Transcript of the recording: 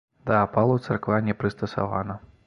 Да апалу царква не прыстасавана.